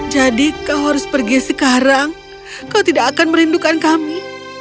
jadi kau harus pergi sekarang kau tidak akan merindukan kami